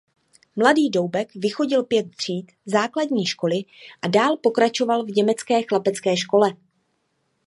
Mladý Doubek vychodil pět tříd základní školy a dál pokračoval v německé chlapecké škole.